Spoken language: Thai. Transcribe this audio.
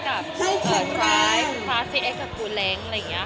คลาสออกกำลังกายเฉพาะส่วนหน้าท้องและก็ต้นนะคะ